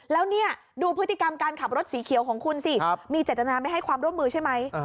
แล้วนี่ดูพฤติกรรมการขับรถสีเขียวของคุณสิมีเจตนาไม่ให้ความร่วมมือใช่ไหม